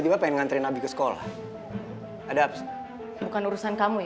enggak pokoknya hari ini kamu harus sama mama